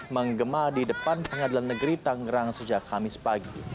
menggema di depan pengadilan negeri tangerang sejak kamis pagi